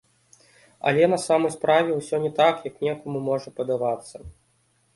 Але на самой справе ўсё не так, як некаму можа падавацца.